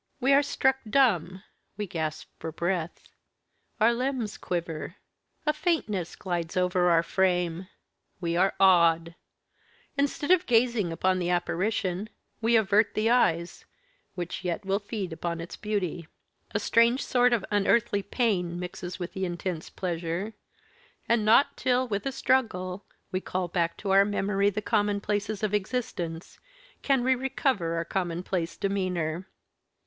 We are struck dumb we gasp for breath our limbs quiver a faintness glides over our frame we are awed; instead of gazing upon the apparition, we avert the eyes, which yet will feed upon its beauty. A strange sort of unearthly pain mixes with the intense pleasure. And not till, with a struggle, we call back to our memory the commonplaces of existence, can we recover our commonplace demeanor.